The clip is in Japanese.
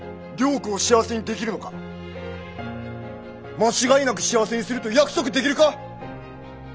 間違いなく幸せにすると約束できるか？